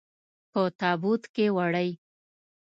په تابوت کې وړئ.